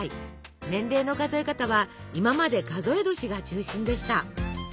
年齢の数え方は今まで数え年が中心でした。